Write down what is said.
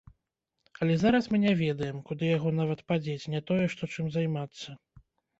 Але зараз мы не ведаем, куды яго нават падзець, не тое што чым займацца.